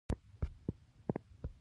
علم د ټولنې ظرفیتونه لوړوي.